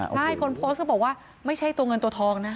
ใช่คนโพสต์เขาบอกว่าไม่ใช่ตัวเงินตัวทองนะ